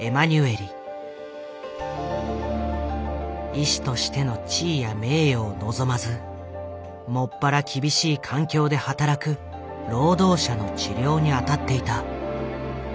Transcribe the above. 医師としての地位や名誉を望まず専ら厳しい環境で働く労働者の治療に当たっていた。